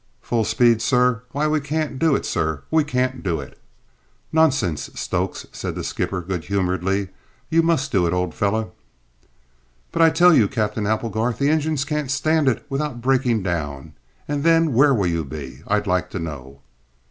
Full speed, sir? Why, we can't do it, sir, we can't do it!" "Nonsense, Stokes," said the skipper good humouredly. "You must do it, old fellow." "But, I tell you, Cap'en Applegarth, the engines can't stand it without breaking down, and then where will you be, I'd like to know?"